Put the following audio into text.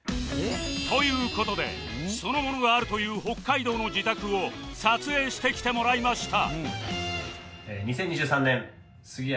という事でその物があるという北海道の自宅を撮影してきてもらいました